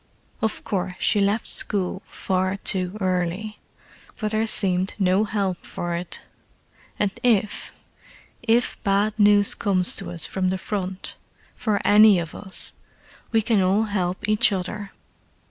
Of course, she left school far too early, but there seemed no help for it. And if—if bad news comes to us from the Front—for any of us—we can all help each other."